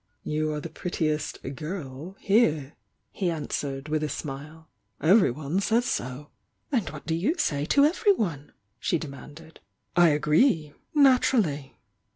"You are the prettiest 'girl' here," he answered, with a smile. "Everyone says so!" "And what do you say to everyone?" she de manded. "I agree. Naturally!"